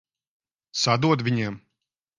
Sadod viņiem!